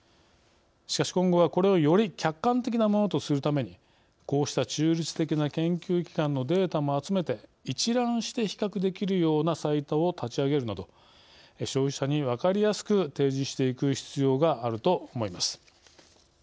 しかし今後はこれをより客観的なものとするためにこうした中立的な研究機関のデータも集めて一覧して比較できるようなサイトを立ち上げるなど消費者に分かりやすく提示していく必要があると思います。